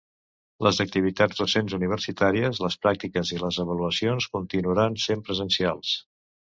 Les activitats docents universitàries, les pràctiques i les avaluacions continuaran sent presencials.